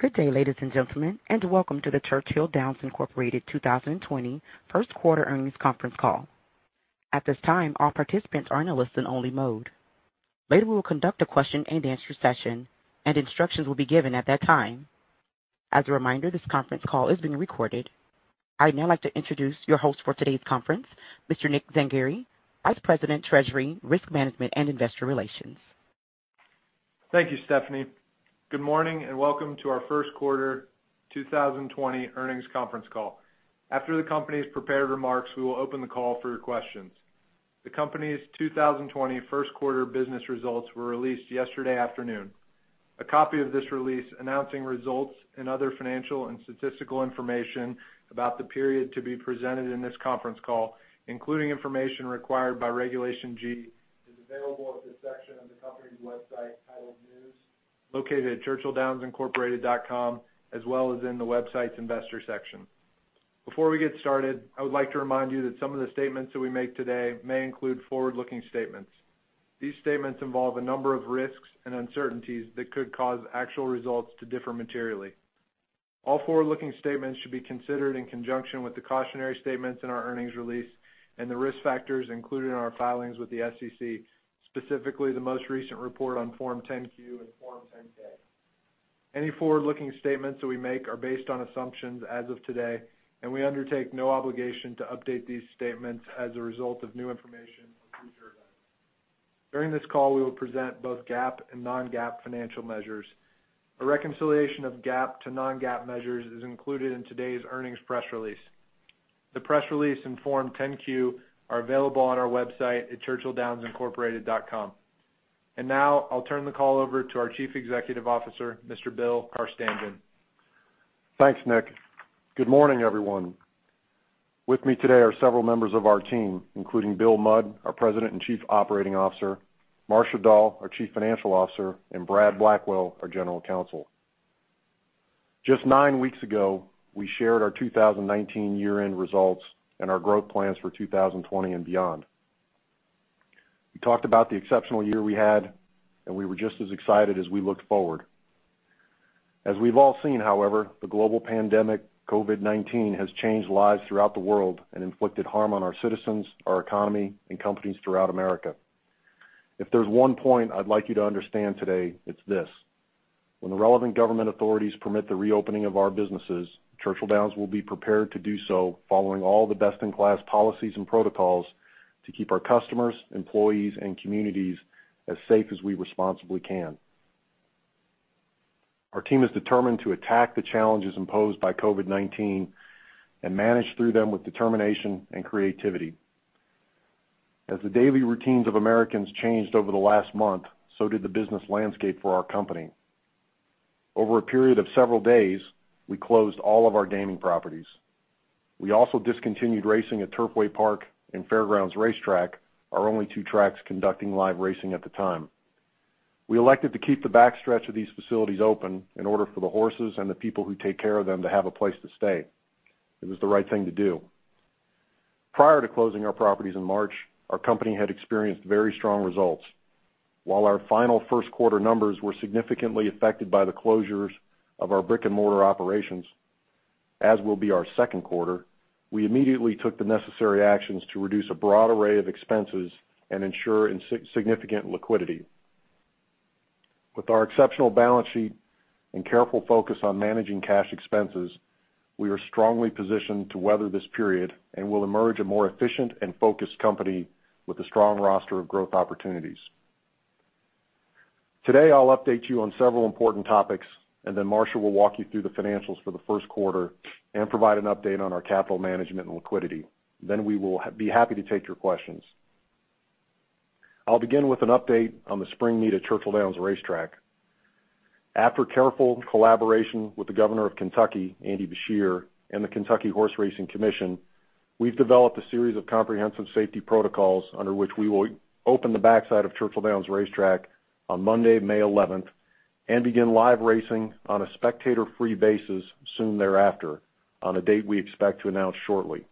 Good day, ladies and gentlemen, and welcome to the Churchill Downs Incorporated 2021 first quarter earnings conference call. At this time, all participants are in a listen-only mode. Later, we will conduct a question-and-answer session, and instructions will be given at that time. As a reminder, this conference call is being recorded. I'd now like to introduce your host for today's conference, Mr. Nick Zangari, Vice President, Treasury, Risk Management, and Investor Relations. Thank you, Stephanie. Good morning, and welcome to our first quarter 2020 earnings conference call. After the company's prepared remarks, we will open the call for your questions. The company's 2020 first quarter business results were released yesterday afternoon. A copy of this release announcing results and other financial and statistical information about the period to be presented in this conference call, including information required by Regulation G, is available at the section of the company's website titled News, located at churchilldownsincorporated.com, as well as in the website's investor section. Before we get started, I would like to remind you that some of the statements that we make today may include forward-looking statements. These statements involve a number of risks and uncertainties that could cause actual results to differ materially. All forward-looking statements should be considered in conjunction with the cautionary statements in our earnings release and the risk factors included in our filings with the SEC, specifically the most recent report on Form 10-Q and Form 10-K. Any forward-looking statements that we make are based on assumptions as of today, and we undertake no obligation to update these statements as a result of new information or future events. During this call, we will present both GAAP and non-GAAP financial measures. A reconciliation of GAAP to non-GAAP measures is included in today's earnings press release. The press release and Form 10-Q are available on our website at churchilldownsincorporated.com. Now, I'll turn the call over to our Chief Executive Officer, Mr. Bill Carstanjen. Thanks, Nick. Good morning, everyone. With me today are several members of our team, including Bill Mudd, our President and Chief Operating Officer, Marcia Dall, our Chief Financial Officer, and Brad Blackwell, our General Counsel. Just nine weeks ago, we shared our 2019 year-end results and our growth plans for 2020 and beyond. We talked about the exceptional year we had, and we were just as excited as we looked forward. As we've all seen, however, the global pandemic, COVID-19, has changed lives throughout the world and inflicted harm on our citizens, our economy, and companies throughout America. If there's one point I'd like you to understand today, it's this: When the relevant government authorities permit the reopening of our businesses, Churchill Downs will be prepared to do so following all the best-in-class policies and protocols to keep our customers, employees, and communities as safe as we responsibly can. Our team is determined to attack the challenges imposed by COVID-19 and manage through them with determination and creativity. As the daily routines of Americans changed over the last month, so did the business landscape for our company. Over a period of several days, we closed all of our gaming properties. We also discontinued racing at Turfway Park and Fair Grounds Racetrack, our only two tracks conducting live racing at the time. We elected to keep the backstretch of these facilities open in order for the horses and the people who take care of them to have a place to stay. It was the right thing to do. Prior to closing our properties in March, our company had experienced very strong results. While our final first quarter numbers were significantly affected by the closures of our brick-and-mortar operations, as will be our second quarter, we immediately took the necessary actions to reduce a broad array of expenses and ensure significant liquidity. With our exceptional balance sheet and careful focus on managing cash expenses, we are strongly positioned to weather this period and will emerge a more efficient and focused company with a strong roster of growth opportunities. Today, I'll update you on several important topics, and then Marcia will walk you through the financials for the first quarter and provide an update on our capital management and liquidity. Then we will be happy to take your questions. I'll begin with an update on the Spring Meet at Churchill Downs Racetrack. After careful collaboration with the Governor of Kentucky, Andy Beshear, and the Kentucky Horse Racing Commission, we've developed a series of comprehensive safety protocols under which we will open the backside of Churchill Downs Racetrack on Monday, May eleventh, and begin live racing on a spectator-free basis soon thereafter, on a date we expect to announce shortly.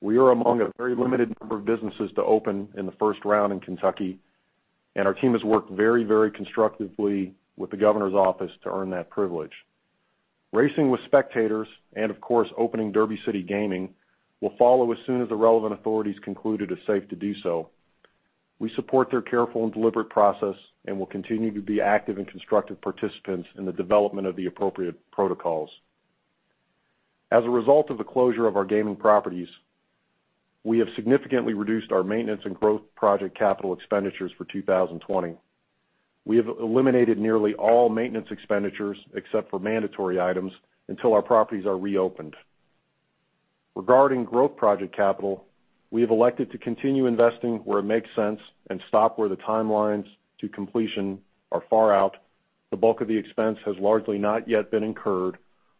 We are among a very limited number of businesses to open in the first round in Kentucky, and our team has worked very, very constructively with the governor's office to earn that privilege. Racing with spectators, and of course, opening Derby City Gaming, will follow as soon as the relevant authorities conclude it is safe to do so. We support their careful and deliberate process and will continue to be active and constructive participants in the development of the appropriate protocols. As a result of the closure of our gaming properties, we have significantly reduced our maintenance and growth project capital expenditures for 2020. We have eliminated nearly all maintenance expenditures, except for mandatory items, until our properties are reopened. Regarding growth project capital, we have elected to continue investing where it makes sense and stop where the timelines to completion are far out, the bulk of the expense has largely not yet been incurred,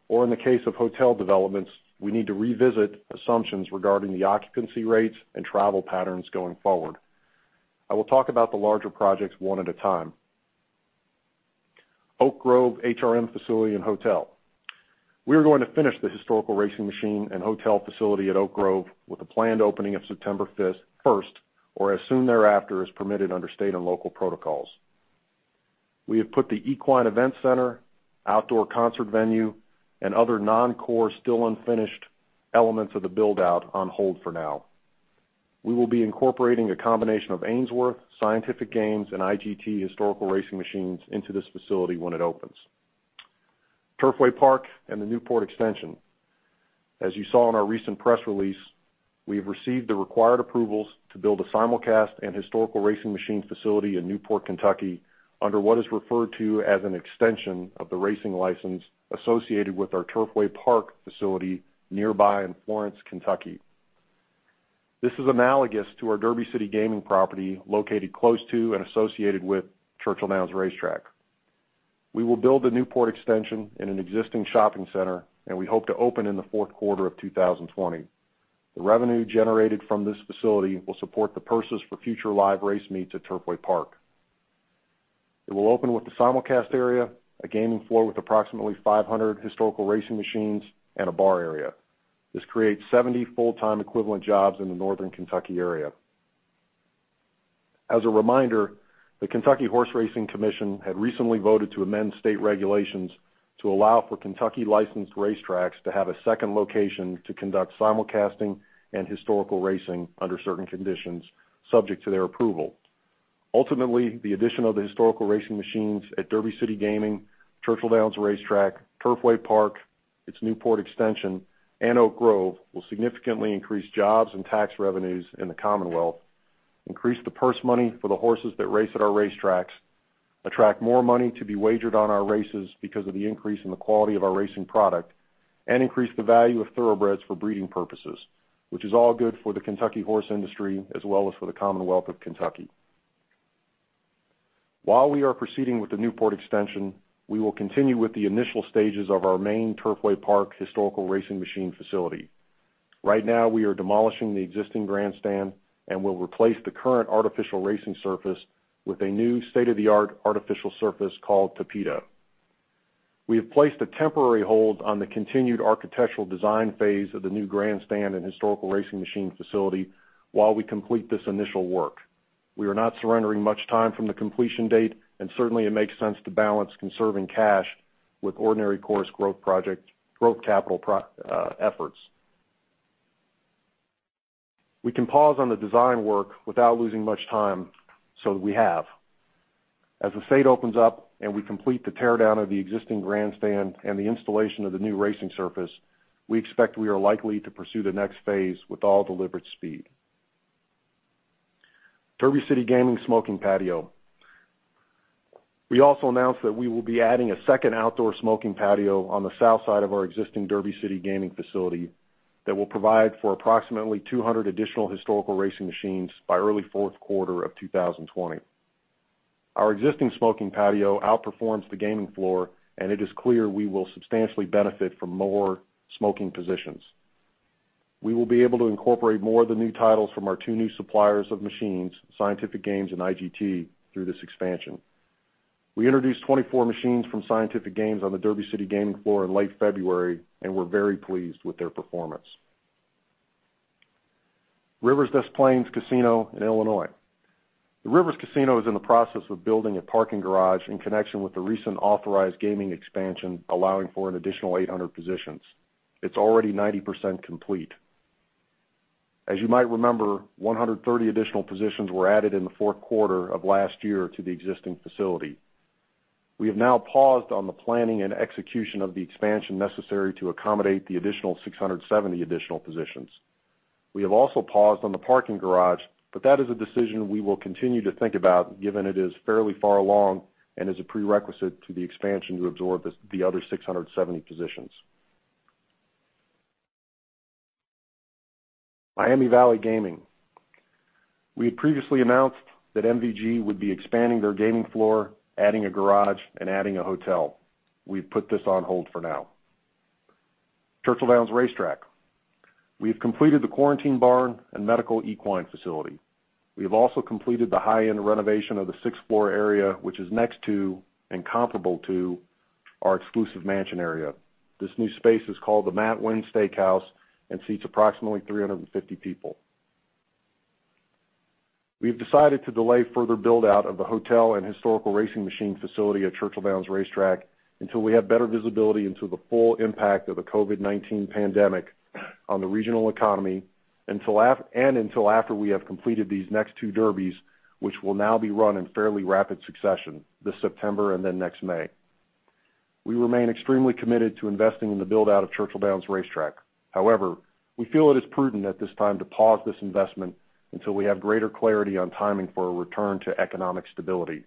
or in the case of hotel developments, we need to revisit assumptions regarding the occupancy rates and travel patterns going forward. I will talk about the larger projects one at a time. Oak Grove HRM facility and hotel. We are going to finish the historical racing machine and hotel facility at Oak Grove with a planned opening of September first, or as soon thereafter as permitted under state and local protocols. We have put the equine event center, outdoor concert venue, and other non-core, still unfinished elements of the build-out on hold for now. We will be incorporating a combination of Ainsworth, Scientific Games, and IGT historical racing machines into this facility when it opens. Turfway Park and the Newport Extension. As you saw in our recent press release, we have received the required approvals to build a simulcast and historical racing machine facility in Newport, Kentucky, under what is referred to as an extension of the racing license associated with our Turfway Park facility nearby in Florence, Kentucky. This is analogous to our Derby City Gaming property, located close to and associated with Churchill Downs Racetrack. We will build the Newport extension in an existing shopping center, and we hope to open in the fourth quarter of 2020. The revenue generated from this facility will support the purses for future live race meets at Turfway Park. It will open with the simulcast area, a gaming floor with approximately 500 historical racing machines, and a bar area. This creates 70 full-time equivalent jobs in the Northern Kentucky area. As a reminder, the Kentucky Horse Racing Commission had recently voted to amend state regulations to allow for Kentucky-licensed racetracks to have a second location to conduct simulcasting and historical racing under certain conditions, subject to their approval. Ultimately, the addition of the historical racing machines at Derby City Gaming, Churchill Downs Racetrack, Turfway Park, its Newport extension, and Oak Grove will significantly increase jobs and tax revenues in the Commonwealth, increase the purse money for the horses that race at our racetracks, attract more money to be wagered on our races because of the increase in the quality of our racing product, and increase the value of Thoroughbreds for breeding purposes, which is all good for the Kentucky horse industry as well as for the Commonwealth of Kentucky. While we are proceeding with the Newport extension, we will continue with the initial stages of our main Turfway Park historical racing machine facility. Right now, we are demolishing the existing grandstand and will replace the current artificial racing surface with a new state-of-the-art artificial surface called Tapeta. We have placed a temporary hold on the continued architectural design phase of the new grandstand and historical racing machine facility while we complete this initial work. We are not surrendering much time from the completion date, and certainly, it makes sense to balance conserving cash with ordinary course growth capital efforts. We can pause on the design work without losing much time, so we have. As the state opens up and we complete the teardown of the existing grandstand and the installation of the new racing surface, we expect we are likely to pursue the next phase with all deliberate speed. Derby City Gaming smoking patio. We also announced that we will be adding a second outdoor smoking patio on the south side of our existing Derby City Gaming facility that will provide for approximately 200 additional historical racing machines by early fourth quarter of 2020. Our existing smoking patio outperforms the gaming floor, and it is clear we will substantially benefit from more smoking positions. We will be able to incorporate more of the new titles from our two new suppliers of machines, Scientific Games and IGT, through this expansion. We introduced 24 machines from Scientific Games on the Derby City Gaming floor in late February, and we're very pleased with their performance. Rivers Des Plaines Casino in Illinois. The Rivers Casino is in the process of building a parking garage in connection with the recent authorized gaming expansion, allowing for an additional 800 positions. It's already 90% complete. As you might remember, 130 additional positions were added in the fourth quarter of last year to the existing facility. We have now paused on the planning and execution of the expansion necessary to accommodate the additional 670 additional positions. We have also paused on the parking garage, but that is a decision we will continue to think about, given it is fairly far along and is a prerequisite to the expansion to absorb the other 670 positions. Miami Valley Gaming. We had previously announced that MVG would be expanding their gaming floor, adding a garage, and adding a hotel. We've put this on hold for now. Churchill Downs Racetrack. We've completed the quarantine barn and medical equine facility. We have also completed the high-end renovation of the sixth floor area, which is next to and comparable to our exclusive Mansion area. This new space is called the Matt Winn Steakhouse and seats approximately 350 people. We have decided to delay further build-out of the hotel and historical racing machine facility at Churchill Downs Racetrack until we have better visibility into the full impact of the COVID-19 pandemic on the regional economy, until after we have completed these next two Derbies, which will now be run in fairly rapid succession, this September and then next May. We remain extremely committed to investing in the build-out of Churchill Downs Racetrack. However, we feel it is prudent at this time to pause this investment until we have greater clarity on timing for a return to economic stability.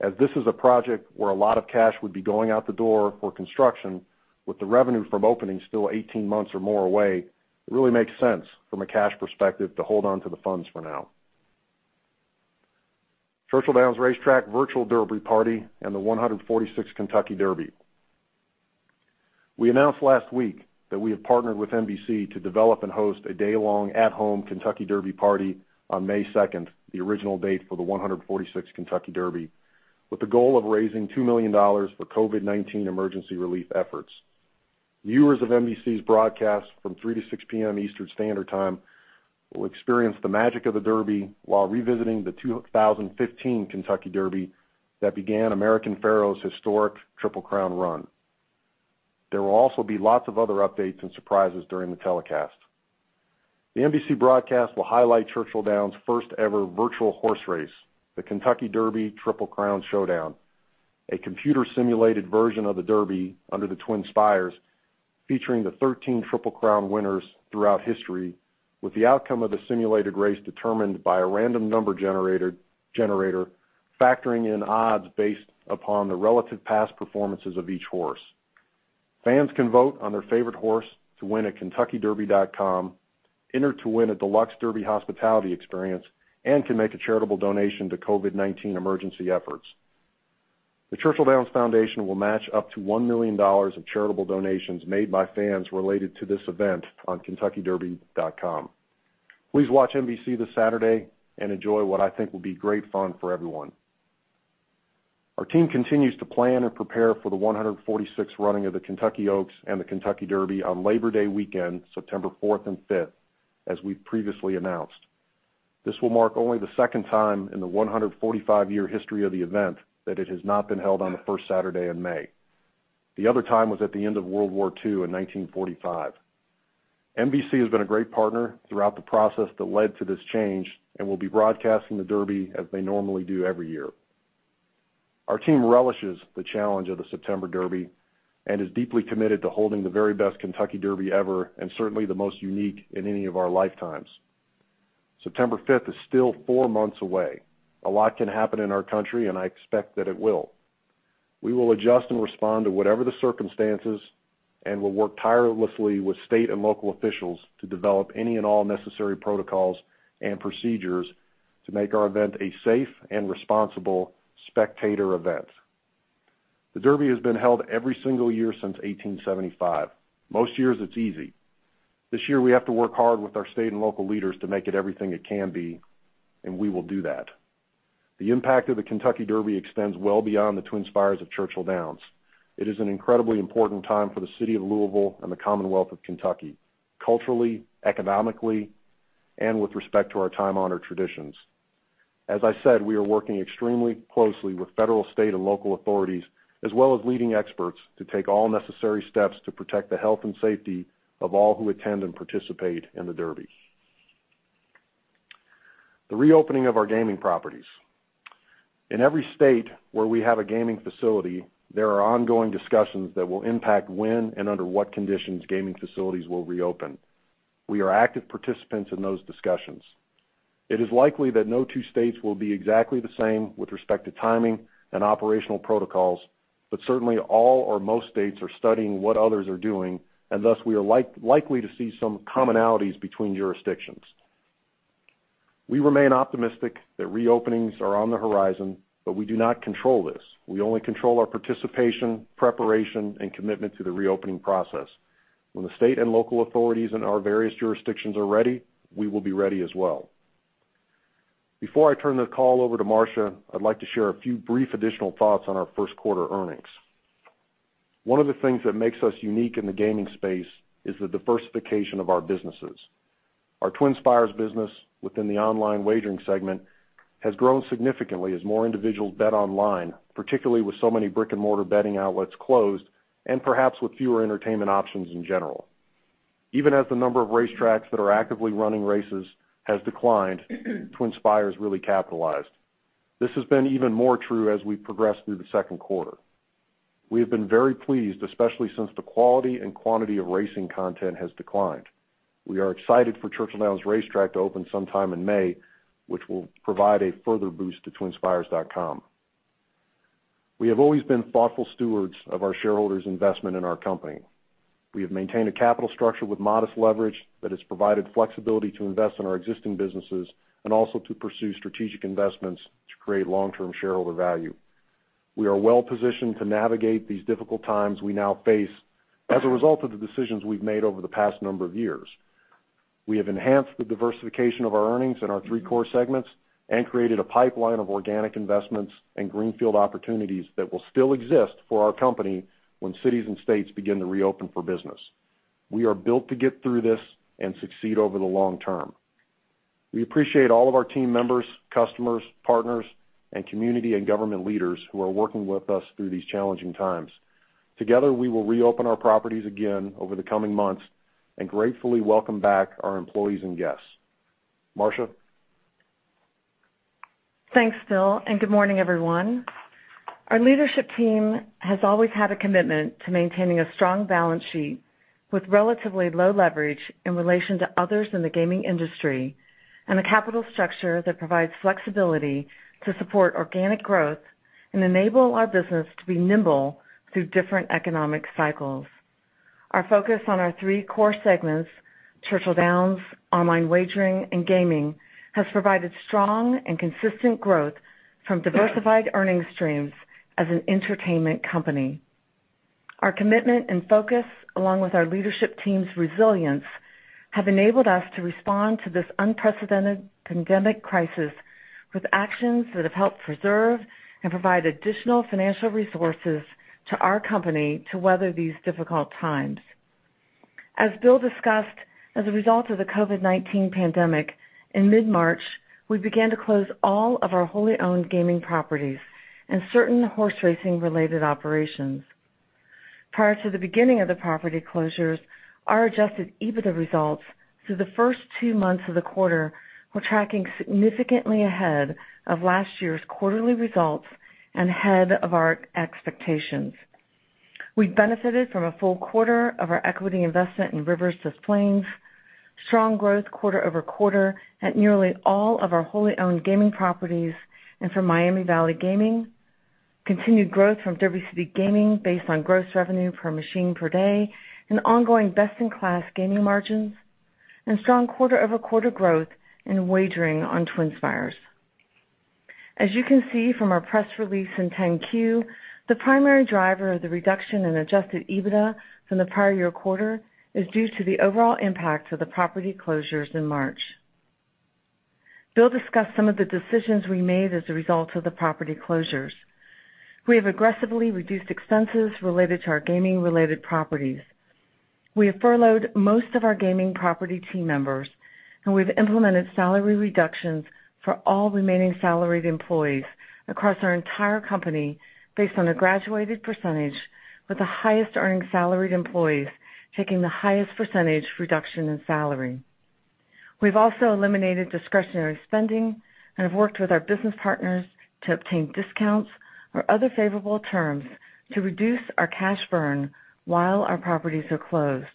As this is a project where a lot of cash would be going out the door for construction, with the revenue from opening still 18 months or more away, it really makes sense from a cash perspective to hold on to the funds for now. Churchill Downs Racetrack Virtual Derby Party and the 146th Kentucky Derby. We announced last week that we have partnered with NBC to develop and host a day-long at-home Kentucky Derby party on May second, the original date for the 146th Kentucky Derby, with the goal of raising $2 million for COVID-19 emergency relief efforts. Viewers of NBC's broadcast from 3:00-6:00 P.M. Eastern Standard Time will experience the magic of the Derby while revisiting the 2015 Kentucky Derby that began American Pharoah's historic Triple Crown run. There will also be lots of other updates and surprises during the telecast. The NBC broadcast will highlight Churchill Downs' first-ever virtual horse race, the Kentucky Derby Triple Crown Showdown, a computer-simulated version of the Derby under the Twin Spires, featuring the 13 Triple Crown winners throughout history, with the outcome of the simulated race determined by a random number generator, factoring in odds based upon the relative past performances of each horse. Fans can vote on their favorite horse to win at kentuckyderby.com, enter to win a deluxe Derby hospitality experience, and can make a charitable donation to COVID-19 emergency efforts. The Churchill Downs Foundation will match up to $1 million of charitable donations made by fans related to this event on kentuckyderby.com. Please watch NBC this Saturday and enjoy what I think will be great fun for everyone. Our team continues to plan and prepare for the 146th running of the Kentucky Oaks and the Kentucky Derby on Labor Day weekend, September 4 and 5, as we've previously announced. This will mark only the second time in the 145-year history of the event that it has not been held on the first Saturday in May. The other time was at the end of World War II in 1945. NBC has been a great partner throughout the process that led to this change and will be broadcasting the Derby as they normally do every year. Our team relishes the challenge of the September Derby and is deeply committed to holding the very best Kentucky Derby ever, and certainly the most unique in any of our lifetimes. September 5 is still 4 months away. A lot can happen in our country, and I expect that it will. We will adjust and respond to whatever the circumstances, and we'll work tirelessly with state and local officials to develop any and all necessary protocols and procedures to make our event a safe and responsible spectator event. The Derby has been held every single year since 1875. Most years, it's easy. This year, we have to work hard with our state and local leaders to make it everything it can be, and we will do that. The impact of the Kentucky Derby extends well beyond the Twin Spires of Churchill Downs. It is an incredibly important time for the city of Louisville and the Commonwealth of Kentucky, culturally, economically, and with respect to our time-honored traditions. As I said, we are working extremely closely with federal, state, and local authorities, as well as leading experts, to take all necessary steps to protect the health and safety of all who attend and participate in the Derby. The reopening of our gaming properties. In every state where we have a gaming facility, there are ongoing discussions that will impact when and under what conditions gaming facilities will reopen. We are active participants in those discussions. It is likely that no two states will be exactly the same with respect to timing and operational protocols, but certainly all or most states are studying what others are doing, and thus, we are likely to see some commonalities between jurisdictions. We remain optimistic that reopenings are on the horizon, but we do not control this. We only control our participation, preparation, and commitment to the reopening process. When the state and local authorities in our various jurisdictions are ready, we will be ready as well. Before I turn the call over to Marcia, I'd like to share a few brief additional thoughts on our first quarter earnings. One of the things that makes us unique in the gaming space is the diversification of our businesses. Our TwinSpires business within the online wagering segment has grown significantly as more individuals bet online, particularly with so many brick-and-mortar betting outlets closed and perhaps with fewer entertainment options in general. Even as the number of racetracks that are actively running races has declined, TwinSpires really capitalized. This has been even more true as we progress through the second quarter. We have been very pleased, especially since the quality and quantity of racing content has declined. We are excited for Churchill Downs Racetrack to open sometime in May, which will provide a further boost to TwinSpires.com. We have always been thoughtful stewards of our shareholders' investment in our company. We have maintained a capital structure with modest leverage that has provided flexibility to invest in our existing businesses and also to pursue strategic investments to create long-term shareholder value. We are well-positioned to navigate these difficult times we now face as a result of the decisions we've made over the past number of years. We have enhanced the diversification of our earnings in our three core segments and created a pipeline of organic investments and greenfield opportunities that will still exist for our company when cities and states begin to reopen for business. We are built to get through this and succeed over the long term. We appreciate all of our team members, customers, partners, and community and government leaders who are working with us through these challenging times. Together, we will reopen our properties again over the coming months and gratefully welcome back our employees and guests. Marcia? Thanks, Bill, and good morning, everyone. Our leadership team has always had a commitment to maintaining a strong balance sheet with relatively low leverage in relation to others in the gaming industry, and a capital structure that provides flexibility to support organic growth and enable our business to be nimble through different economic cycles. Our focus on our three core segments, Churchill Downs, online wagering, and gaming, has provided strong and consistent growth from diversified earning streams as an entertainment company. Our commitment and focus, along with our leadership team's resilience, have enabled us to respond to this unprecedented pandemic crisis with actions that have helped preserve and provide additional financial resources to our company to weather these difficult times.... As Bill discussed, as a result of the COVID-19 pandemic, in mid-March, we began to close all of our wholly-owned gaming properties and certain horse racing-related operations. Prior to the beginning of the property closures, our Adjusted EBITDA results through the first two months of the quarter were tracking significantly ahead of last year's quarterly results and ahead of our expectations. We benefited from a full quarter of our equity investment in Rivers Des Plaines, strong growth quarter-over-quarter at nearly all of our wholly-owned gaming properties, and from Miami Valley Gaming, continued growth from Derby City Gaming based on gross revenue per machine per day, and ongoing best-in-class gaming margins, and strong quarter-over-quarter growth in wagering on TwinSpires. As you can see from our press release and 10-Q, the primary driver of the reduction in Adjusted EBITDA from the prior year quarter is due to the overall impact of the property closures in March. Bill discussed some of the decisions we made as a result of the property closures. We have aggressively reduced expenses related to our gaming-related properties. We have furloughed most of our gaming property team members, and we've implemented salary reductions for all remaining salaried employees across our entire company based on a graduated percentage, with the highest-earning salaried employees taking the highest percentage reduction in salary. We've also eliminated discretionary spending and have worked with our business partners to obtain discounts or other favorable terms to reduce our cash burn while our properties are closed.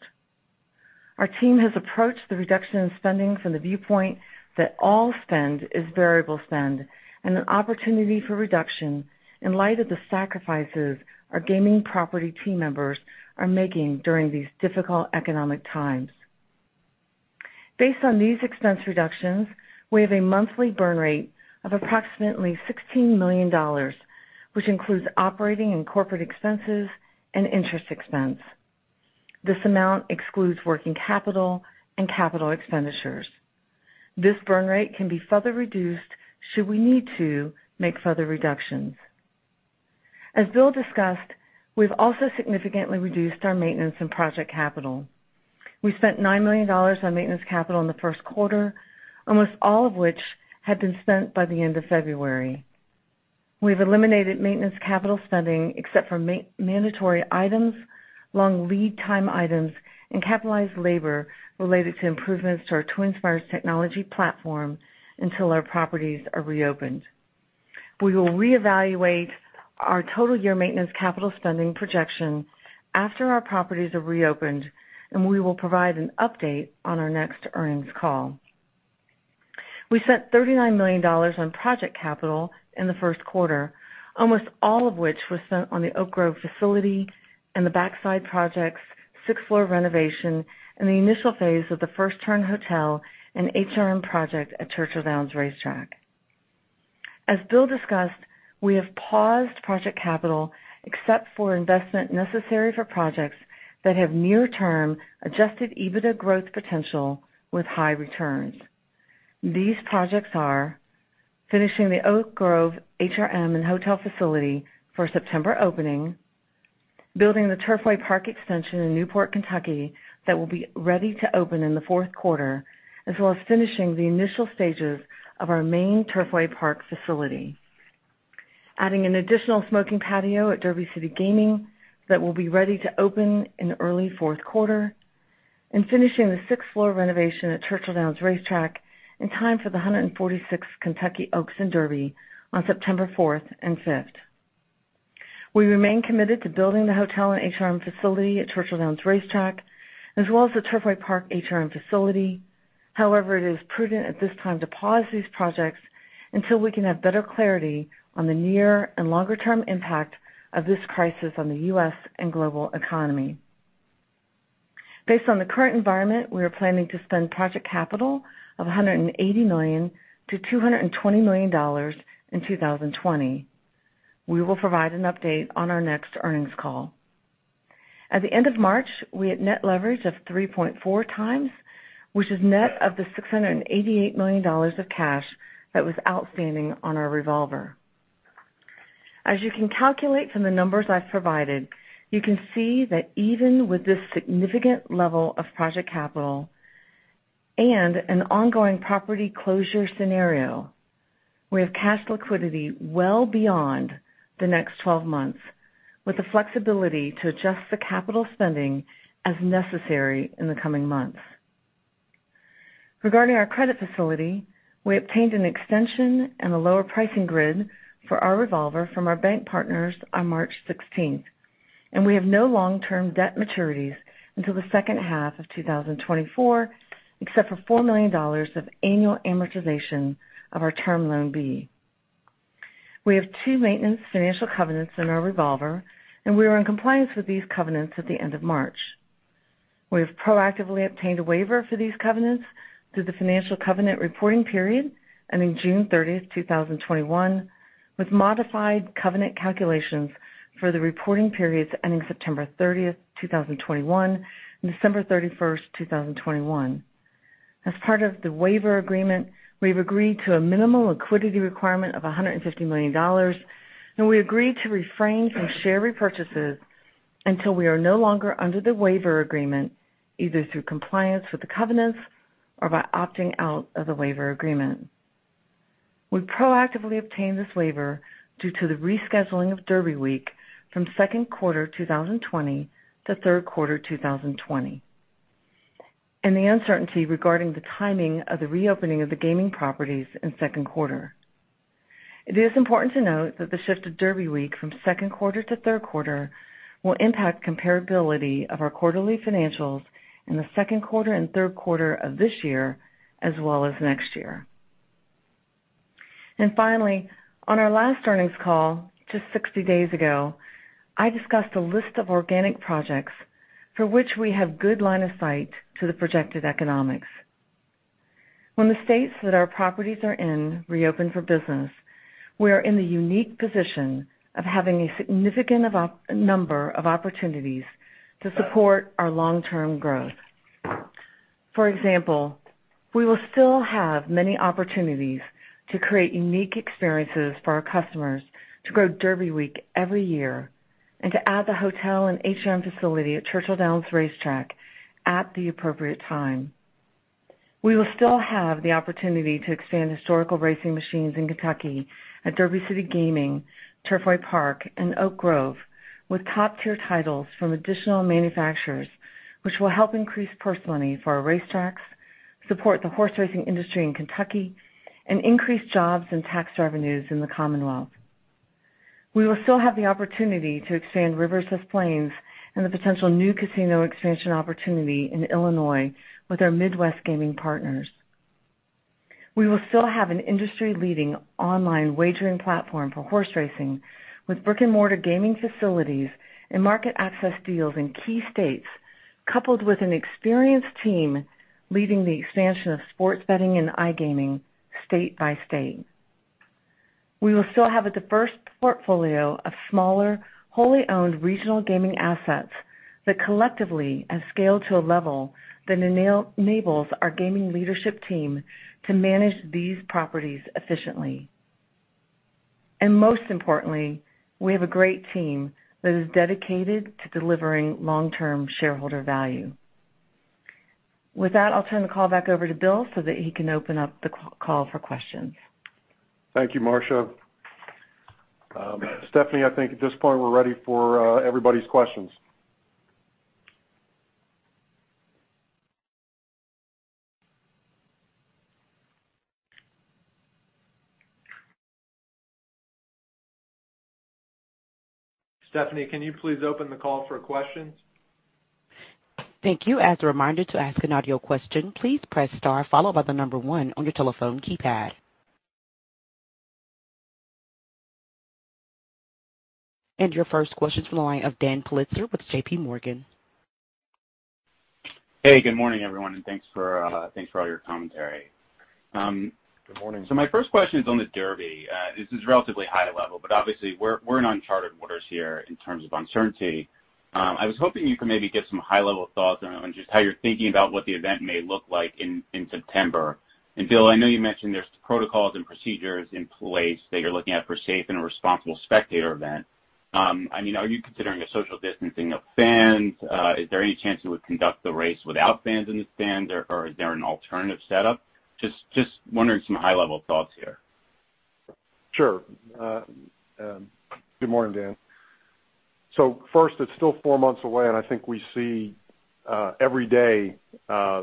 Our team has approached the reduction in spending from the viewpoint that all spend is variable spend and an opportunity for reduction in light of the sacrifices our gaming property team members are making during these difficult economic times. Based on these expense reductions, we have a monthly burn rate of approximately $16 million, which includes operating and corporate expenses and interest expense. This amount excludes working capital and capital expenditures. This burn rate can be further reduced should we need to make further reductions. As Bill discussed, we've also significantly reduced our maintenance and project capital. We spent $9 million on maintenance capital in the first quarter, almost all of which had been spent by the end of February. We've eliminated maintenance capital spending except for mandatory items, long lead time items, and capitalized labor related to improvements to our TwinSpires technology platform until our properties are reopened. We will reevaluate our total year maintenance capital spending projection after our properties are reopened, and we will provide an update on our next earnings call. We spent $39 million on project capital in the first quarter, almost all of which was spent on the Oak Grove facility and the backside projects, sixth floor renovation, and the initial phase of the First Turn Hotel and HRM project at Churchill Downs Racetrack. As Bill discussed, we have paused project capital except for investment necessary for projects that have near-term Adjusted EBITDA growth potential with high returns. These projects are: finishing the Oak Grove HRM and hotel facility for September opening, building the Turfway Park extension in Newport, Kentucky, that will be ready to open in the fourth quarter, as well as finishing the initial stages of our main Turfway Park facility, adding an additional smoking patio at Derby City Gaming that will be ready to open in early fourth quarter, and finishing the sixth floor renovation at Churchill Downs Racetrack in time for the 146th Kentucky Oaks and Derby on September 4 and 5. We remain committed to building the hotel and HRM facility at Churchill Downs Racetrack, as well as the Turfway Park HRM facility. However, it is prudent at this time to pause these projects until we can have better clarity on the near and longer-term impact of this crisis on the U.S. and global economy. Based on the current environment, we are planning to spend project capital of $180 million-$220 million in 2020. We will provide an update on our next earnings call. At the end of March, we had Net Leverage of 3.4 times, which is net of the $688 million of cash that was outstanding on our revolver. As you can calculate from the numbers I've provided, you can see that even with this significant level of project capital and an ongoing property closure scenario, we have cash liquidity well beyond the next twelve months, with the flexibility to adjust the capital spending as necessary in the coming months. Regarding our credit facility, we obtained an extension and a lower pricing grid for our revolver from our bank partners on March 16, and we have no long-term debt maturities until the second half of 2024, except for $4 million of annual amortization of our Term Loan B. We have two maintenance financial covenants in our revolver, and we are in compliance with these covenants at the end of March. We have proactively obtained a waiver for these covenants through the financial covenant reporting period, ending June 30, 2021, with modified covenant calculations for the reporting periods ending September 30, 2021, and December 31, 2021. As part of the waiver agreement, we've agreed to a minimal liquidity requirement of $150 million, and we agreed to refrain from share repurchases until we are no longer under the waiver agreement, either through compliance with the covenants or by opting out of the waiver agreement. We proactively obtained this waiver due to the rescheduling of Derby Week from second quarter 2020 to third quarter 2020, and the uncertainty regarding the timing of the reopening of the gaming properties in second quarter. It is important to note that the shift of Derby Week from second quarter to third quarter will impact comparability of our quarterly financials in the second quarter and third quarter of this year, as well as next year. And finally, on our last earnings call, just 60 days ago, I discussed a list of organic projects for which we have good line of sight to the projected economics. When the states that our properties are in reopen for business, we are in the unique position of having a significant number of opportunities to support our long-term growth. For example, we will still have many opportunities to create unique experiences for our customers to grow Derby Week every year and to add the hotel and HRM facility at Churchill Downs Racetrack at the appropriate time. We will still have the opportunity to expand historical racing machines in Kentucky at Derby City Gaming, Turfway Park, and Oak Grove, with top-tier titles from additional manufacturers, which will help increase purse money for our racetracks, support the horse racing industry in Kentucky, and increase jobs and tax revenues in the Commonwealth. We will still have the opportunity to expand Rivers Des Plaines and the potential new casino expansion opportunity in Illinois with our Midwest gaming partners. We will still have an industry-leading online wagering platform for horse racing, with brick-and-mortar gaming facilities and market access deals in key states, coupled with an experienced team leading the expansion of sports betting and iGaming state by state. We will still have a diverse portfolio of smaller, wholly-owned regional gaming assets that collectively have scaled to a level that enables our gaming leadership team to manage these properties efficiently. Most importantly, we have a great team that is dedicated to delivering long-term shareholder value. With that, I'll turn the call back over to Bill so that he can open up the call for questions. Thank you, Marcia. Stephanie, I think at this point, we're ready for everybody's questions. Stephanie, can you please open the call for questions? Thank you. As a reminder, to ask an audio question, please press star followed by the number one on your telephone keypad. And your first question is from the line of Dan Politzer with JP Morgan. Hey, good morning, everyone, and thanks for, thanks for all your commentary. Good morning. So my first question is on the Derby. This is relatively high level, but obviously, we're in uncharted waters here in terms of uncertainty. I was hoping you could maybe give some high-level thoughts on just how you're thinking about what the event may look like in September. And Bill, I know you mentioned there's protocols and procedures in place that you're looking at for a safe and a responsible spectator event. I mean, are you considering a social distancing of fans? Is there any chance you would conduct the race without fans in the stands, or is there an alternative setup? Just wondering some high-level thoughts here. Sure. Good morning, Dan. So first, it's still 4 months away, and I think we see every day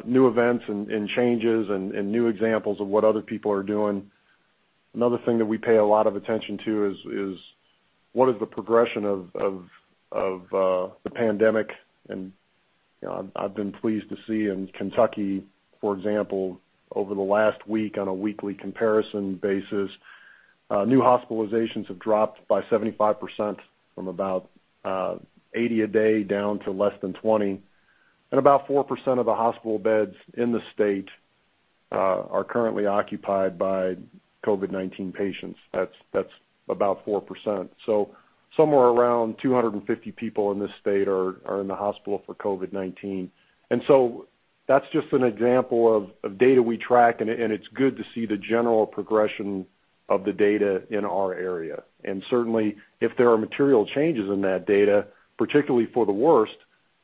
new events and changes and new examples of what other people are doing. Another thing that we pay a lot of attention to is what is the progression of the pandemic? And, you know, I've been pleased to see in Kentucky, for example, over the last week, on a weekly comparison basis, new hospitalizations have dropped by 75% from about 80 a day down to less than 20. And about 4% of the hospital beds in the state are currently occupied by COVID-19 patients. That's about 4%. So somewhere around 250 people in this state are in the hospital for COVID-19. So that's just an example of data we track, and it's good to see the general progression of the data in our area. Certainly, if there are material changes in that data, particularly for the worst,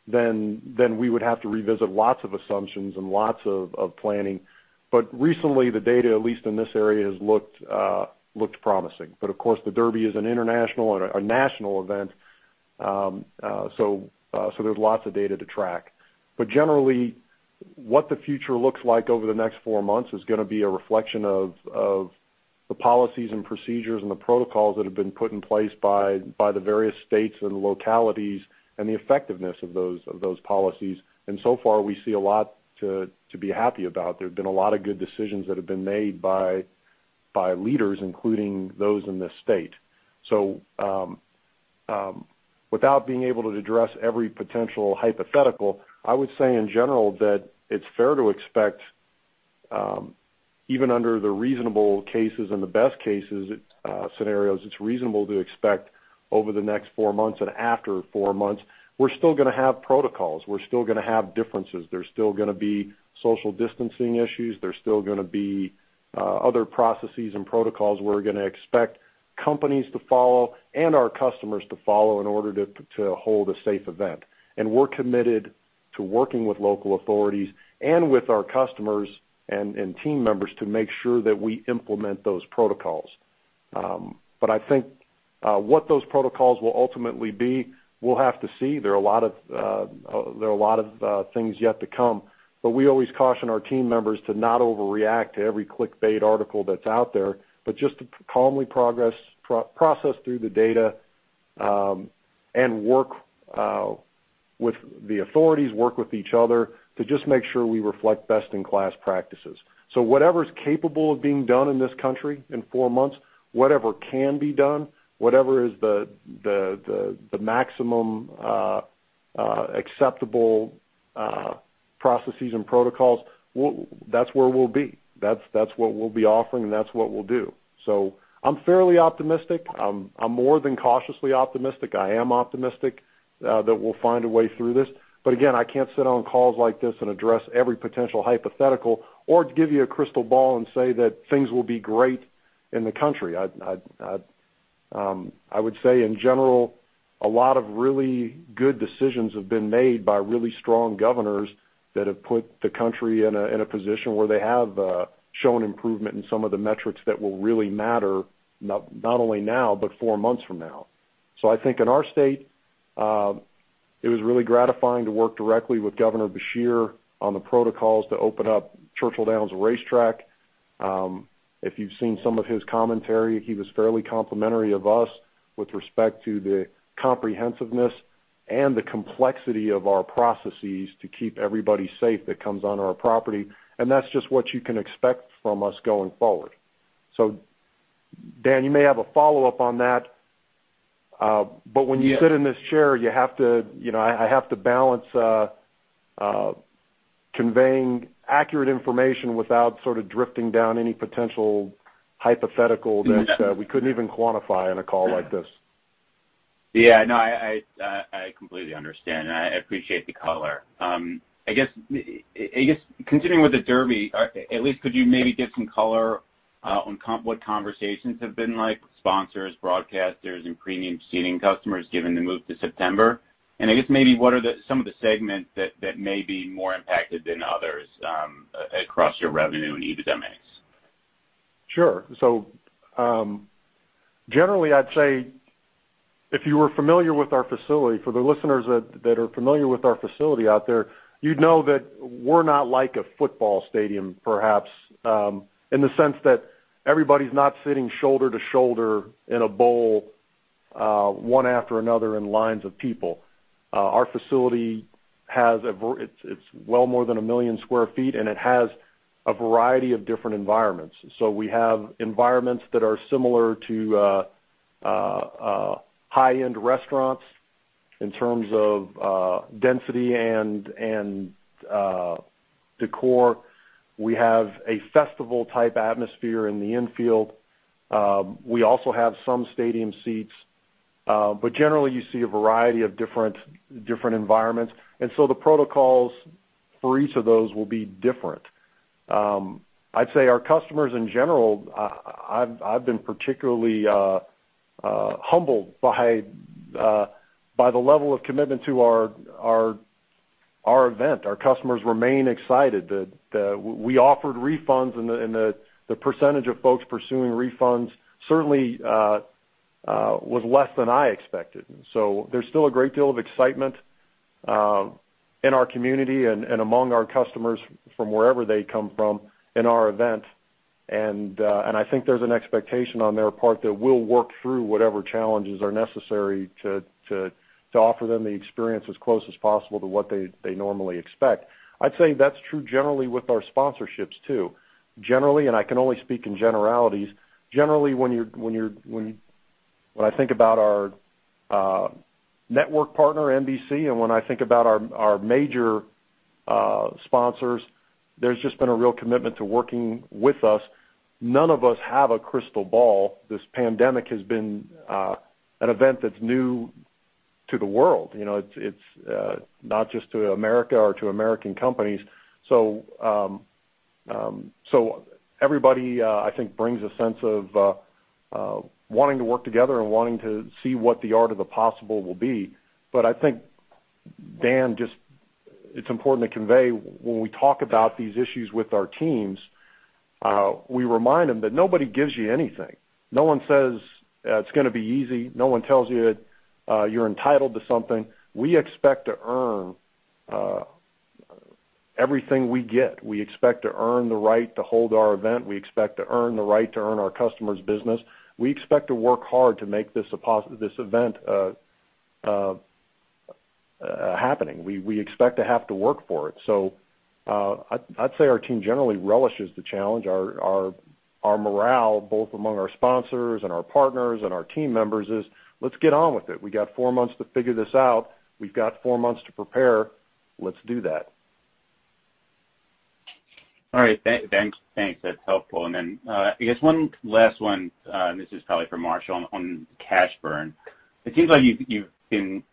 then we would have to revisit lots of assumptions and lots of planning. Recently, the data, at least in this area, has looked promising. Of course, the Derby is an international and a national event, so there's lots of data to track. Generally, what the future looks like over the next four months is gonna be a reflection of the policies and procedures and the protocols that have been put in place by the various states and localities, and the effectiveness of those policies. And so far, we see a lot to be happy about. There have been a lot of good decisions that have been made by leaders, including those in this state. So, without being able to address every potential hypothetical, I would say in general that it's fair to expect even under the reasonable cases and the best cases scenarios, it's reasonable to expect over the next four months and after four months, we're still gonna have protocols. We're still gonna have differences. There's still gonna be social distancing issues. There's still gonna be other processes and protocols we're gonna expect companies to follow and our customers to follow in order to hold a safe event. And we're committed to working with local authorities and with our customers and team members to make sure that we implement those protocols. But I think what those protocols will ultimately be, we'll have to see. There are a lot of things yet to come, but we always caution our team members to not overreact to every clickbait article that's out there, but just to calmly process through the data, and work with the authorities, work with each other to just make sure we reflect best-in-class practices. So whatever's capable of being done in this country in four months, whatever can be done, whatever is the maximum acceptable processes and protocols, we'll be. That's where we'll be. That's what we'll be offering, and that's what we'll do. So I'm fairly optimistic. I'm more than cautiously optimistic. I am optimistic that we'll find a way through this. But again, I can't sit on calls like this and address every potential hypothetical or give you a crystal ball and say that things will be great in the country. I would say in general, a lot of really good decisions have been made by really strong governors that have put the country in a position where they have shown improvement in some of the metrics that will really matter, not only now, but four months from now. So I think in our state, it was really gratifying to work directly with Governor Beshear on the protocols to open up Churchill Downs Racetrack. If you've seen some of his commentary, he was fairly complimentary of us with respect to the comprehensiveness and the complexity of our processes to keep everybody safe that comes on our property, and that's just what you can expect from us going forward. So Dan, you may have a follow-up on that. Yeah. But when you sit in this chair, you have to, you know, I have to balance conveying accurate information without sort of drifting down any potential hypothetical- Yeah. -that, we couldn't even quantify in a call like this. Yeah, no, I completely understand, and I appreciate the color. I guess continuing with the Derby, at least could you maybe give some color on what conversations have been like, sponsors, broadcasters, and premium seating customers, given the move to September? And I guess maybe what are some of the segments that may be more impacted than others across your revenue and EBITDA mix? Sure. So, generally, I'd say if you were familiar with our facility, for the listeners that are familiar with our facility out there, you'd know that we're not like a football stadium, perhaps, in the sense that everybody's not sitting shoulder to shoulder in a bowl, one after another in lines of people. Our facility has. It's well more than 1 million sq ft, and it has a variety of different environments. So we have environments that are similar to high-end restaurants in terms of density and decor. We have a festival-type atmosphere in the infield. We also have some stadium seats, but generally, you see a variety of different environments. And so the protocols for each of those will be different. I'd say our customers in general, I've been particularly humbled by the level of commitment to our event. Our customers remain excited. We offered refunds, and the percentage of folks pursuing refunds certainly was less than I expected. So there's still a great deal of excitement in our community and among our customers from wherever they come from in our event. And I think there's an expectation on their part that we'll work through whatever challenges are necessary to offer them the experience as close as possible to what they normally expect. I'd say that's true generally with our sponsorships, too. Generally, and I can only speak in generalities, generally, when I think about our network partner, NBC, and when I think about our major sponsors, there's just been a real commitment to working with us. None of us have a crystal ball. This pandemic has been an event that's new to the world. You know, it's not just to America or to American companies. So, everybody I think brings a sense of wanting to work together and wanting to see what the art of the possible will be. But I think, Dan, just it's important to convey when we talk about these issues with our teams, we remind them that nobody gives you anything. No one says, "It's gonna be easy." No one tells you, "You're entitled to something." We expect to earn everything we get. We expect to earn the right to hold our event. We expect to earn the right to earn our customers' business. We expect to work hard to make this event happening. We expect to have to work for it. I'd say our team generally relishes the challenge. Our morale, both among our sponsors and our partners and our team members, is let's get on with it. We got 4 months to figure this out. We've got 4 months to prepare. Let's do that. All right, thanks, thanks. That's helpful. And then, I guess one last one, and this is probably for Marcia on cash burn. It seems like you've been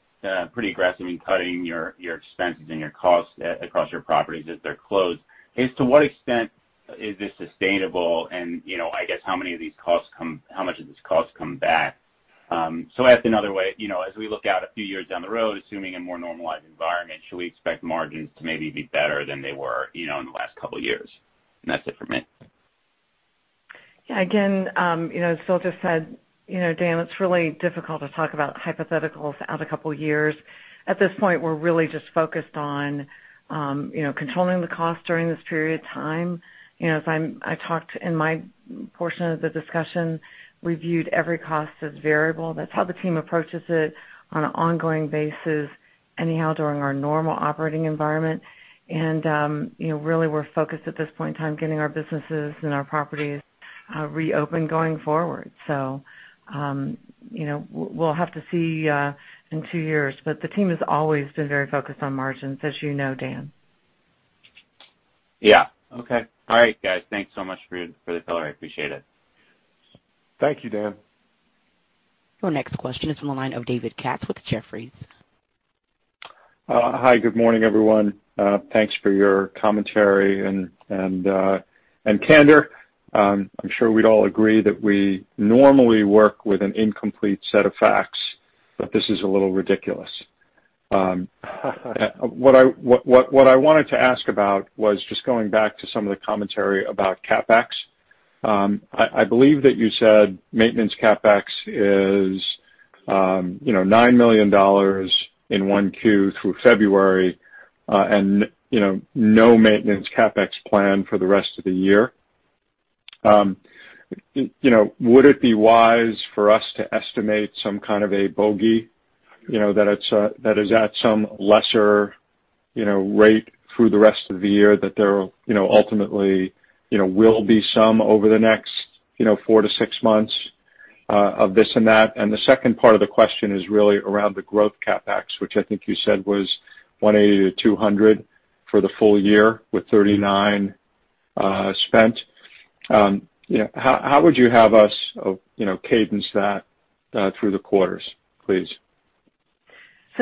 pretty aggressive in cutting your expenses and your costs across your properties as they're closed. As to what extent is this sustainable? And, you know, I guess how many of these costs come—how much of these costs come back? So asked another way, you know, as we look out a few years down the road, assuming a more normalized environment, should we expect margins to maybe be better than they were, you know, in the last couple of years? And that's it for me. Yeah, again, you know, as Bill just said, you know, Dan, it's really difficult to talk about hypotheticals out a couple of years. At this point, we're really just focused on, you know, controlling the cost during this period of time. You know, as I talked in my portion of the discussion, we viewed every cost as variable. That's how the team approaches it on an ongoing basis anyhow, during our normal operating environment. And, you know, really, we're focused at this point in time, getting our businesses and our properties, reopened going forward. So, you know, we'll, we'll have to see, in two years, but the team has always been very focused on margins, as you know, Dan. Yeah. Okay. All right, guys. Thanks so much for, for the color. I appreciate it. Thank you, Dan. Your next question is from the line of David Katz with Jefferies. Hi, good morning, everyone. Thanks for your commentary and candor. I'm sure we'd all agree that we normally work with an incomplete set of facts, but this is a little ridiculous. What I wanted to ask about was just going back to some of the commentary about CapEx. I believe that you said maintenance CapEx is, you know, $9 million in 1Q through February, and, you know, no maintenance CapEx plan for the rest of the year. You know, would it be wise for us to estimate some kind of a bogey? You know, that it is at some lesser, you know, rate through the rest of the year, that there, you know, ultimately, you know, will be some over the next, you know, 4-6 months of this and that. And the second part of the question is really around the growth CapEx, which I think you said was $180-$200 for the full year, with $39 spent. You know, how would you have us, you know, cadence that through the quarters, please?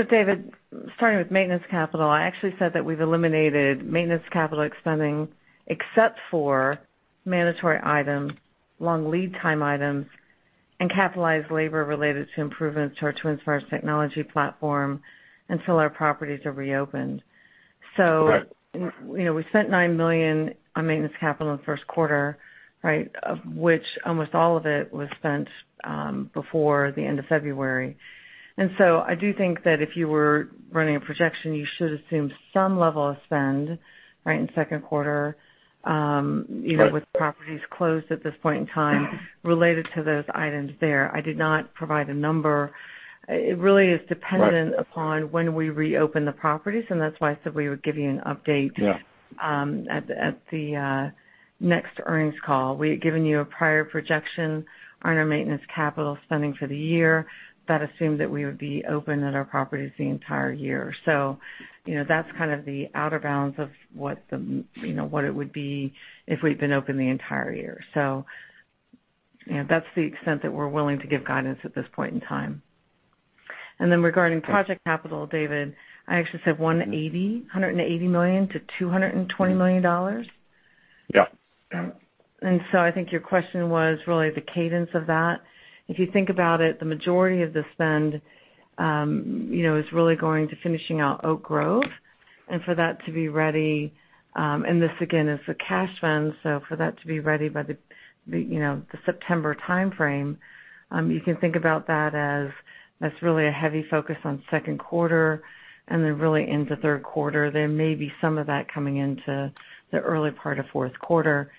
David, starting with maintenance capital, I actually said that we've eliminated maintenance capital spending, except for mandatory items, long lead time items, and capitalized labor related to improvements to our TwinSpires technology platform until our properties are reopened. Right. So, you know, we spent $9 million on maintenance capital in the first quarter, right? Of which almost all of it was spent before the end of February. And so I do think that if you were running a projection, you should assume some level of spend, right, in second quarter. Right... even with properties closed at this point in time, related to those items there. I did not provide a number. Right. It really is dependent upon when we reopen the properties, and that's why I said we would give you an update- Yeah ... at the next earnings call. We had given you a prior projection on our maintenance capital spending for the year. That assumed that we would be open at our properties the entire year. So, you know, that's kind of the outer bounds of what, you know, what it would be if we'd been open the entire year. So, you know, that's the extent that we're willing to give guidance at this point in time. And then regarding project capital, David, I actually said $180 million-$220 million. Yeah. And so I think your question was really the cadence of that. If you think about it, the majority of the spend, you know, is really going to finishing out Oak Grove. And for that to be ready, and this, again, is for cash funds, so for that to be ready by the, you know, the September timeframe, you can think about that as that's really a heavy focus on second quarter and then really into third quarter. There may be some of that coming into the early part of fourth quarter.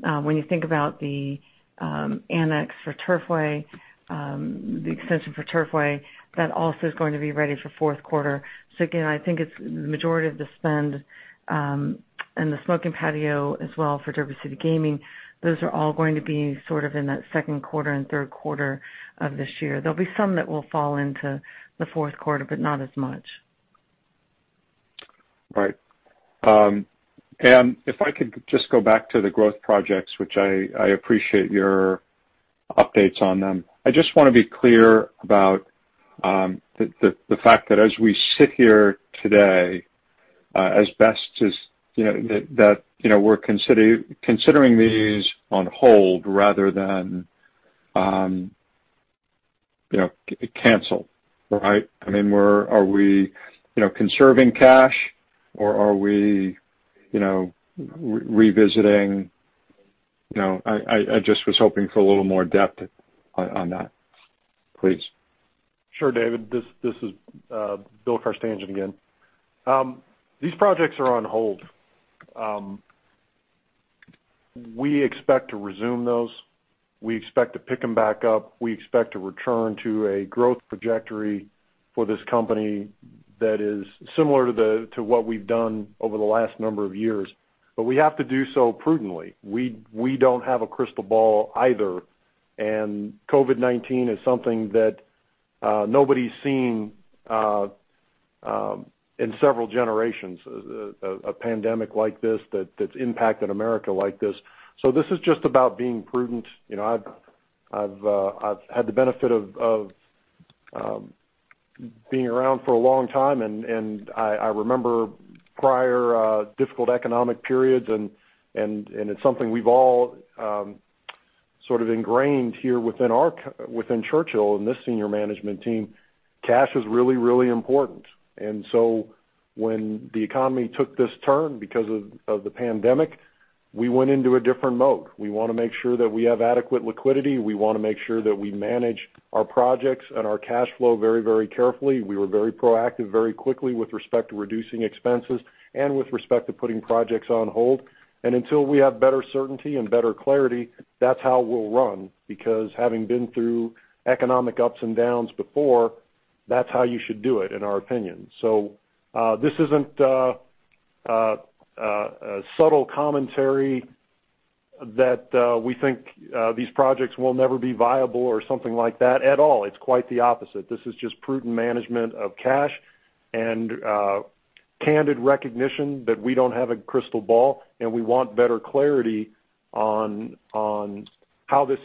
When you think about the annex for Turfway, the extension for Turfway, that also is going to be ready for fourth quarter. So again, I think it's the majority of the spend, and the smoking patio as well for Derby City Gaming. Those are all going to be sort of in that second quarter and third quarter of this year. There'll be some that will fall into the fourth quarter, but not as much. Right. And if I could just go back to the growth projects, which I appreciate your updates on them. I just want to be clear about the fact that as we sit here today, as best as you know, that you know, we're considering these on hold rather than cancel, right? I mean, we're, are we, you know, conserving cash or are we, you know, revisiting. You know, I just was hoping for a little more depth on that, please. Sure, David. This is Bill Carstanjen again. These projects are on hold. We expect to resume those. We expect to pick them back up. We expect to return to a growth trajectory for this company that is similar to what we've done over the last number of years, but we have to do so prudently. We don't have a crystal ball either, and COVID-19 is something that nobody's seen in several generations, a pandemic like this that's impacted America like this. So this is just about being prudent. You know, I've had the benefit of being around for a long time, and I remember prior difficult economic periods, and it's something we've all sort of ingrained here within Churchill and this senior management team. Cash is really, really important. And so when the economy took this turn because of the pandemic, we went into a different mode. We wanna make sure that we have adequate liquidity. We wanna make sure that we manage our projects and our cash flow very, very carefully. We were very proactive, very quickly with respect to reducing expenses and with respect to putting projects on hold. And until we have better certainty and better clarity, that's how we'll run, because having been through economic ups and downs before, that's how you should do it, in our opinion. So, this isn't a subtle commentary that we think these projects will never be viable or something like that at all. It's quite the opposite. This is just prudent management of cash and candid recognition that we don't have a crystal ball, and we want better clarity on how this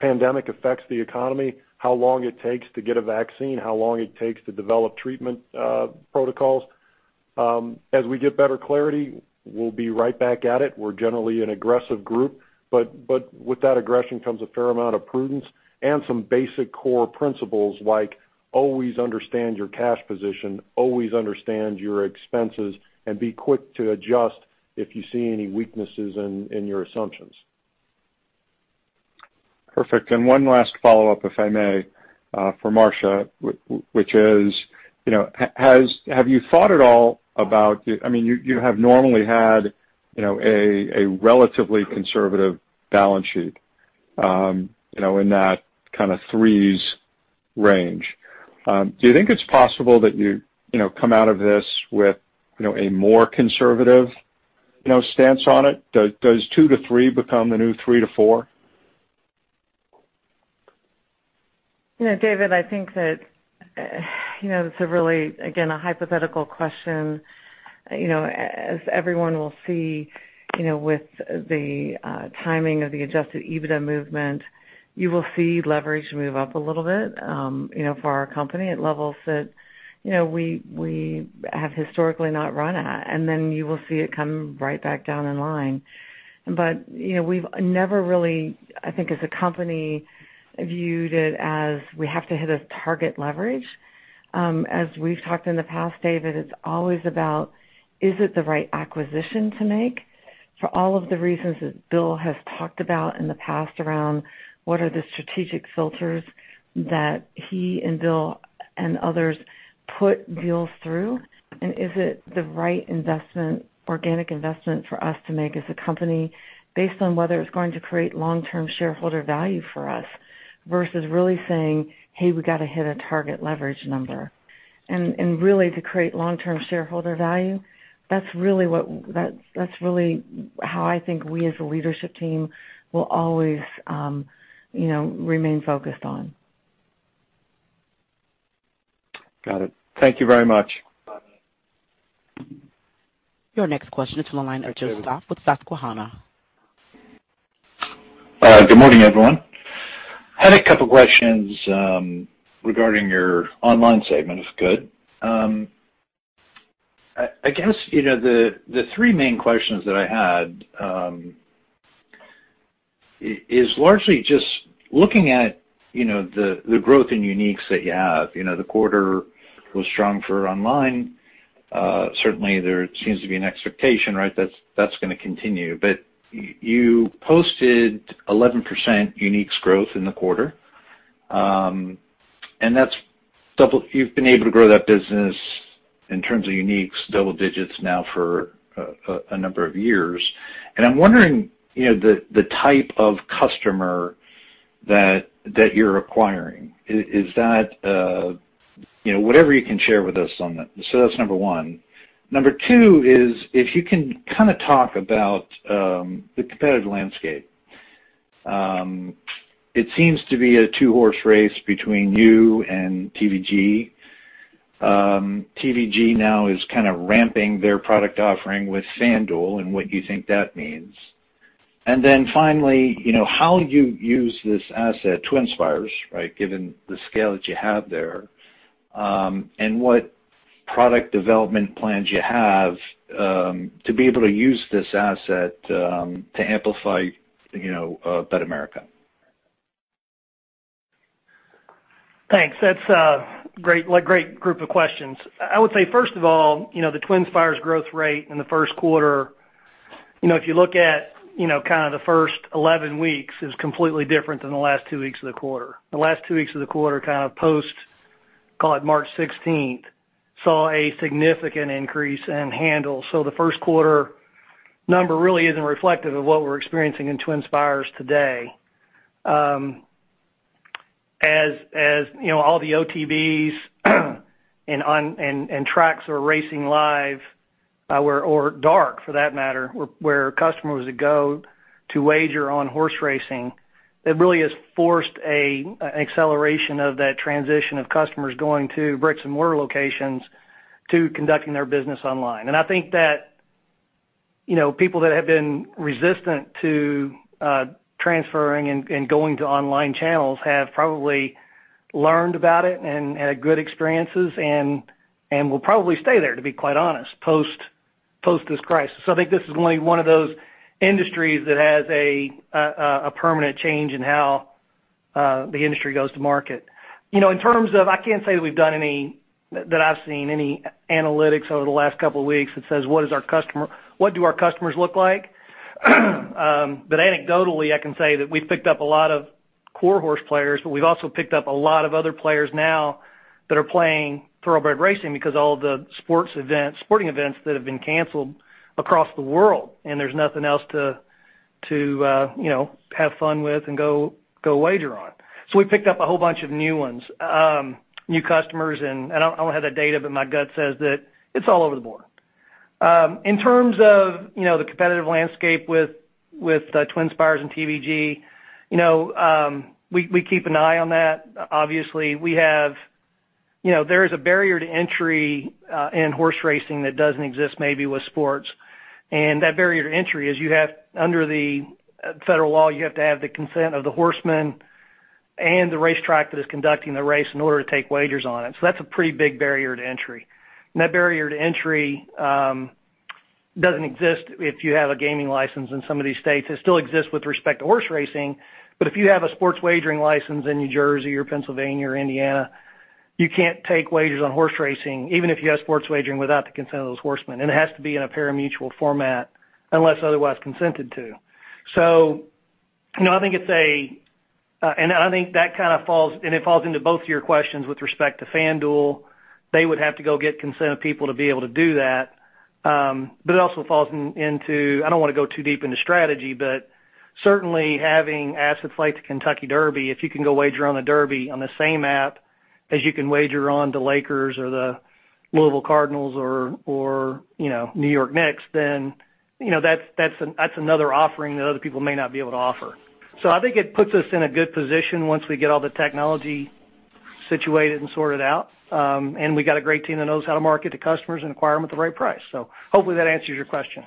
pandemic affects the economy, how long it takes to get a vaccine, how long it takes to develop treatment protocols. As we get better clarity, we'll be right back at it. We're generally an aggressive group, but with that aggression comes a fair amount of prudence and some basic core principles like always understand your cash position, always understand your expenses, and be quick to adjust if you see any weaknesses in your assumptions. Perfect. And one last follow-up, if I may, for Marcia, which is, you know, have you thought at all about, I mean, you have normally had, you know, a relatively conservative balance sheet, you know, in that kind of 3s range. Do you think it's possible that you, you know, come out of this with, you know, a more conservative, you know, stance on it? Does 2-3 become the new 3-4? You know, David, I think that, you know, it's a really, again, a hypothetical question. You know, as everyone will see, you know, with the timing of the Adjusted EBITDA movement, you will see leverage move up a little bit, you know, for our company at levels that, you know, we, we have historically not run at, and then you will see it come right back down in line. But, you know, we've never really, I think, as a company, viewed it as we have to hit a target leverage. As we've talked in the past, David, it's always about, is it the right acquisition to make? For all of the reasons that Bill has talked about in the past around what are the strategic filters that he and Bill and others put deals through, and is it the right investment, organic investment for us to make as a company based on whether it's going to create long-term shareholder value for us versus really saying, "Hey, we got to hit a target leverage number." And really to create long-term shareholder value, that's really what... That's, that's really how I think we as a leadership team will always, you know, remain focused on. Got it. Thank you very much. Your next question is from the line of Joe Stauff with Susquehanna. Good morning, everyone. I had a couple questions regarding your online segment, if good. I guess, you know, the three main questions that I had is largely just looking at, you know, the growth in uniques that you have. You know, the quarter was strong for online. Certainly, there seems to be an expectation, right, that's gonna continue. But you posted 11% uniques growth in the quarter, and that's double—you've been able to grow that business in terms of uniques, double digits now for a number of years. And I'm wondering, you know, the type of customer that you're acquiring. Is that, you know, whatever you can share with us on that. So that's number 1. Number 2 is, if you can kind of talk about the competitive landscape. It seems to be a two-horse race between you and TVG. TVG now is kind of ramping their product offering with FanDuel and what you think that means. And then finally, you know, how you use this asset, TwinSpires, right, given the scale that you have there, and what product development plans you have, to be able to use this asset, to amplify, you know, BetAmerica? Thanks. That's a great, a great group of questions. I would say, first of all, you know, the TwinSpires growth rate in the first quarter, you know, if you look at, you know, kind of the first 11 weeks, is completely different than the last two weeks of the quarter. The last two weeks of the quarter, kind of post-... call it March 16th, saw a significant increase in handle. So the first quarter number really isn't reflective of what we're experiencing in TwinSpires today. As you know, all the OTBs and on- and tracks are racing live, or dark for that matter, where customers would go to wager on horse racing, it really has forced an acceleration of that transition of customers going to bricks-and-mortar locations to conducting their business online. And I think that, you know, people that have been resistant to transferring and going to online channels have probably learned about it and had good experiences and will probably stay there, to be quite honest, post this crisis. So I think this is only one of those industries that has a permanent change in how the industry goes to market. You know, in terms of, I can't say that we've done any, that I've seen, any analytics over the last couple of weeks that says, what is our customer- what do our customers look like? But anecdotally, I can say that we've picked up a lot of core horse players, but we've also picked up a lot of other players now that are playing thoroughbred racing because all of the sports events, sporting events that have been canceled across the world, and there's nothing else to you know, have fun with and go wager on. So we picked up a whole bunch of new ones, new customers, and I don't, I don't have that data, but my gut says that it's all over the board. In terms of, you know, the competitive landscape with TwinSpires and TVG, you know, we keep an eye on that. Obviously, we have... You know, there is a barrier to entry in horse racing that doesn't exist maybe with sports. And that barrier to entry is you have, under the federal law, you have to have the consent of the horsemen and the racetrack that is conducting the race in order to take wagers on it. So that's a pretty big barrier to entry. And that barrier to entry doesn't exist if you have a gaming license in some of these states. It still exists with respect to horse racing, but if you have a sports wagering license in New Jersey or Pennsylvania or Indiana, you can't take wagers on horse racing, even if you have sports wagering without the consent of those horsemen. And it has to be in a parimutuel format unless otherwise consented to. So, you know, I think it's a, And I think that kind of falls, and it falls into both of your questions with respect to FanDuel. They would have to go get consent of people to be able to do that. But it also falls into—I don't want to go too deep into strategy, but certainly having assets like the Kentucky Derby, if you can go wager on the Derby on the same app as you can wager on the Lakers or the Louisville Cardinals or, you know, New York Knicks, then, you know, that's another offering that other people may not be able to offer. So I think it puts us in a good position once we get all the technology situated and sorted out, and we got a great team that knows how to market to customers and acquire them at the right price. So hopefully that answers your question.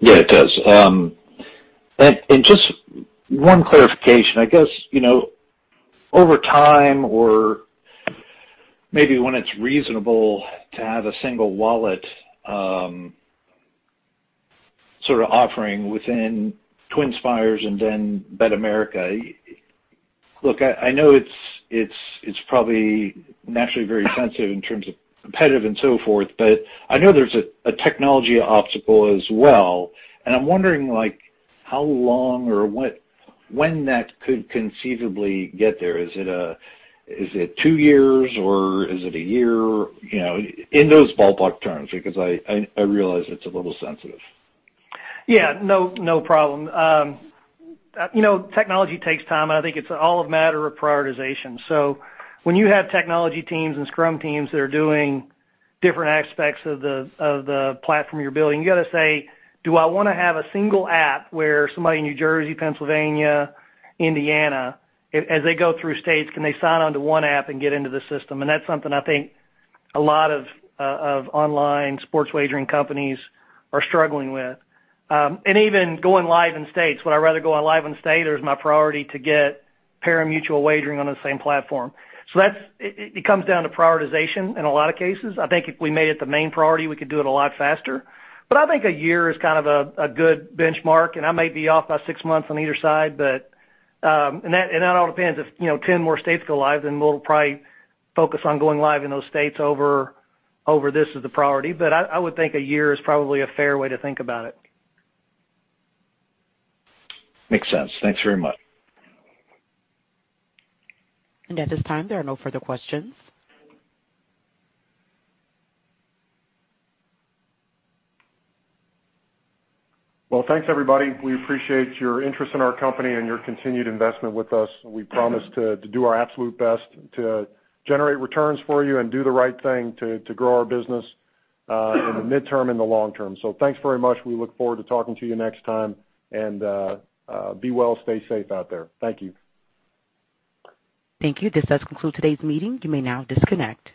Yeah, it does. And just one clarification. I guess, you know, over time or maybe when it's reasonable to have a single wallet, sort of offering within TwinSpires and then BetAmerica. Look, I know it's probably naturally very sensitive in terms of competitive and so forth, but I know there's a technology obstacle as well. And I'm wondering, like, how long or when that could conceivably get there? Is it two years, or is it a year? You know, in those ballpark terms, because I realize it's a little sensitive. Yeah, no, no problem. You know, technology takes time, and I think it's all a matter of prioritization. So when you have technology teams and scrum teams that are doing different aspects of the platform you're building, you got to say, "Do I want to have a single app where somebody in New Jersey, Pennsylvania, Indiana, as they go through states, can they sign on to one app and get into the system?" And that's something I think a lot of online sports wagering companies are struggling with. And even going live in states. Would I rather go live in state, or is my priority to get parimutuel wagering on the same platform? So that's. It comes down to prioritization in a lot of cases. I think if we made it the main priority, we could do it a lot faster. But I think a year is kind of a good benchmark, and I might be off by six months on either side, but... And that all depends. If, you know, 10 more states go live, then we'll probably focus on going live in those states over this as the priority. But I would think a year is probably a fair way to think about it. Makes sense. Thanks very much. At this time, there are no further questions. Well, thanks, everybody. We appreciate your interest in our company and your continued investment with us. We promise to do our absolute best to generate returns for you and do the right thing to grow our business in the midterm and the long term. So thanks very much. We look forward to talking to you next time, and be well, stay safe out there. Thank you. Thank you. This does conclude today's meeting. You may now disconnect.